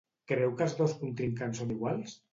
Creu que els dos contrincants són iguals?